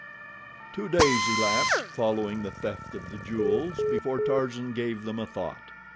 Two days elapsed following the theft of the jewels before Tarzan gave them a thought.